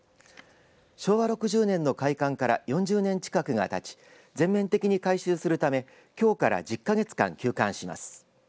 昭和６０年の開館から４０年近くがたち全面的に改修するためきょうから１０か月間休館します。